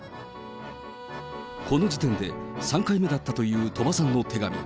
この時点で３回目だったという鳥羽さんの手紙。